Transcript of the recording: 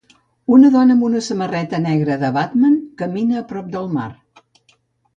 Una dona amb una samarreta negra de Batman camina a prop del mar.